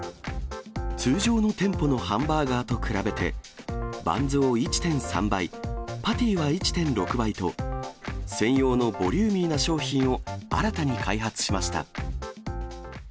通常の店舗のハンバーガーと比べて、バンズを１．３倍、パティは１．６倍と、専用のボリューミーな商品を新たに開発しました。